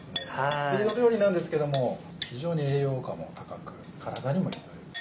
スピード料理なんですけども非常に栄養価も高く体にもいいという。